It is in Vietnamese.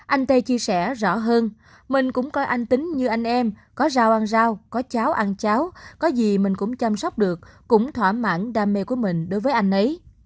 anh tây chia sẻ rõ hơn mình cũng coi anh tính như anh em có rau ăn rau có cháu ăn cháu có gì mình cũng chăm sóc được cũng thỏa mãn đam mê của mình đối với anh ấy